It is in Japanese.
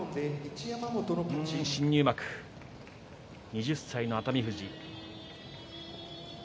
新入幕２０歳の熱海富士。